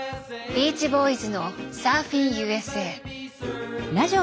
ビーチ・ボーイズの「サーフィン・Ｕ．Ｓ．Ａ．」。